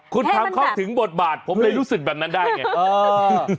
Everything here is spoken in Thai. คุณทำเข้าถึงบทบาทผมเลยรู้สึกแบบนั้นได้ไง